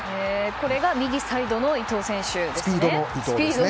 これが右サイドの伊東選手ですね。